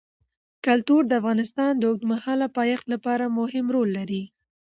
کلتور د افغانستان د اوږدمهاله پایښت لپاره مهم رول لري.